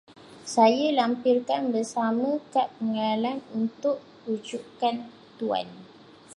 Saya lampirkan bersama kad pengenalan untuk rujukan Tuan.